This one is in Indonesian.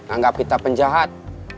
anggap kita penjahat